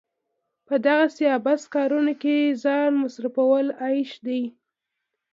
په دغسې عبث کارونو کې ځان مصرفول عيش دی.